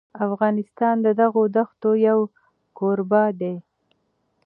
افغانستان د دغو دښتو یو کوربه دی.